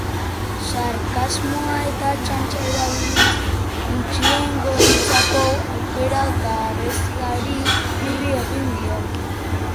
Sarkasmoa eta txantxa erabiliz, gutxiengoentzako aukera gabeziari irri egin dio.